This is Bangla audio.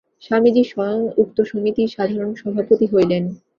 স্বামীজী স্বয়ং উক্ত সমিতির সাধারণ সভাপতি হইলেন।